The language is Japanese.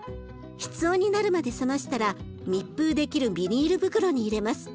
室温になるまで冷ましたら密閉できるビニール袋に入れます。